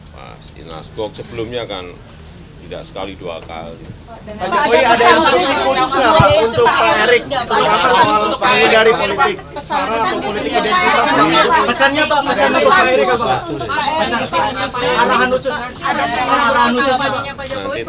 pak inas kok sebelumnya kan tidak sekali dua kali